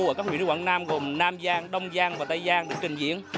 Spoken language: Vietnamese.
ở các huyện nước quảng nam gồm nam giang đông giang và tây giang được trình diễn